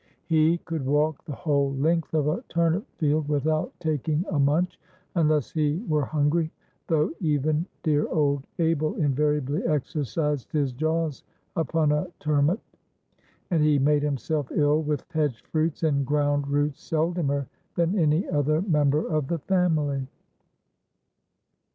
He could walk the whole length of a turnip field without taking a munch, unless he were hungry, though even dear old Abel invariably exercised his jaws upon a "turmut." And he made himself ill with hedge fruits and ground roots seldomer than any other member of the family.